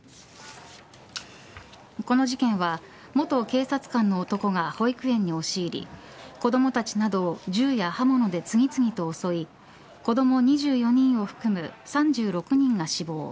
この事件は元警察官の男が保育園に押し入り子どもたちなどを銃や刃物で次々と襲い子ども２４人を含む３６人が死亡。